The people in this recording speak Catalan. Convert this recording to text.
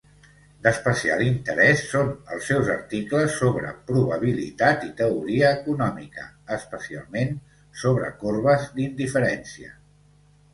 D'especial interès són els seus articles sobre probabilitat i teoria econòmica, especialment, sobre corbes d'indiferència.